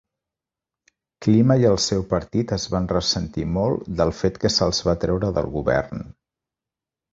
Klima i el seu partit es van ressentir molt del fet que s'els va treure del govern.